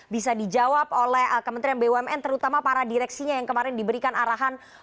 bisa dijawab oleh kementerian bumn terutama para direksinya yang kemarin diberikan arahan